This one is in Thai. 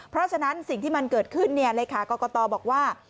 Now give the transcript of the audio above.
เพราะฉะนั้นสิ่งที่มันเกิดขึ้นเลขากรกตบอกว่า